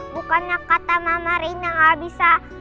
bukannya kata mama reina gak bisa